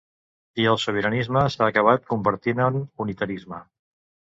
I el sobiranisme s’ha acabat convertint en unitarisme.